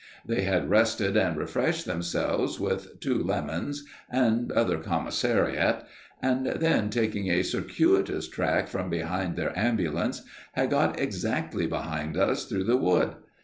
They had rested and refreshed themselves with two lemons and other commissariat, and then, taking a circuitous track from behind their ambulance, had got exactly behind us through the wood.